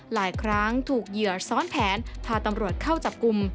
หลายครั้งถูกเหยื่อซ้อนแผนพาตำรวจเข้าจับกลุ่ม